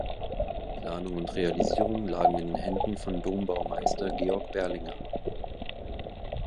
Planung und Realisierung lagen in den Händen von Dombaumeister Georg Berlinger.